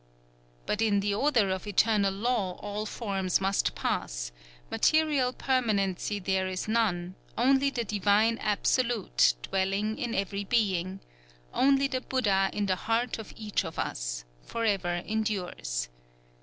But in the order of eternal law all forms must pass; material permanency there is none: only the divine Absolute dwelling in every being, only the Buddha in the heart of each of us, forever endures.